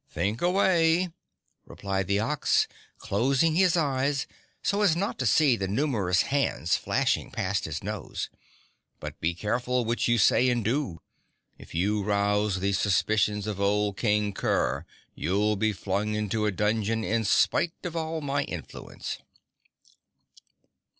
"Think away," replied the Ox, closing his eyes so as not to see the numerous hands flashing past his nose. "But be careful what you say and do. If you rouse the suspicions of old King Kerr, you'll be flung into a dungeon in spite of all my influence."